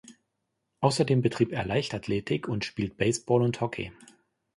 Außerdem betrieb er Leichtathletik und spielt Baseball und Hockey.